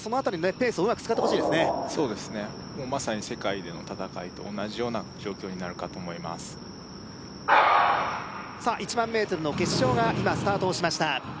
ペースをうまく使ってほしいですねそうですねもうまさに世界での戦いと同じような状況になるかと思いますさあ１００００ｍの決勝が今スタートをしました